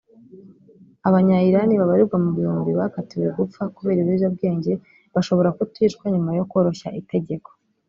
Abanya Irani babarirwa mu bihumbi bakatiwe gupfa kubera ibiyobyabwenge bashobora kuticwa nyuma yo koroshya itegeko